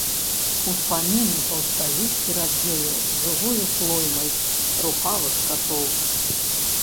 Успаміны паўстаюць перад ёю жывой плоймай рухавых катоў.